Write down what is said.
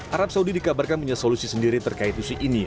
arab saudi dikabarkan punya solusi sendiri terkait isu ini